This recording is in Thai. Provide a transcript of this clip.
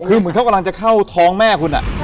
คือเหมือนเขากำลังจะเข้าท้องแม่คุณ